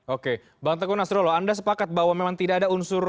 oke bang teguh nasrolo anda sepakat bahwa memang tidak ada unsur